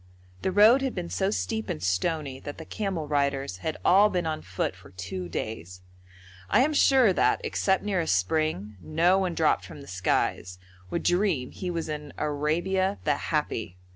The road had been so steep and stony that the camel riders had all been on foot for two days. I am sure that, except near a spring, no one dropped from the skies would dream he was in Arabia the Happy.